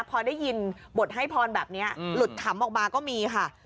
พอได้ยินบทให้พรแบบนี้หลุดขำออกมาก็มีค่ะ